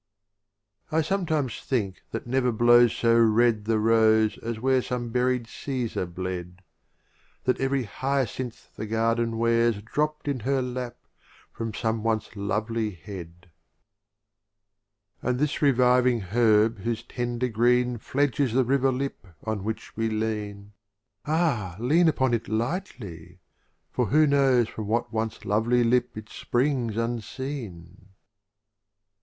XIX. I sometimes think that never blows so red The Rose as where some buried Caesar bled; That every Hyacinth the Garden wears Dropt in her Lap from some once lovely Head. XX. And this reviving Herb whose ten der Green Fledges the River Lip on which we lean — Ah, lean upon it lightly ! for who knows From what once lovely Lip it springs unseen